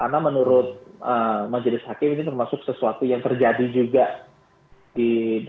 karena menurut majelis hakim ini termasuk sesuatu yang terjadi juga di dalam peristiwa tersebut begitu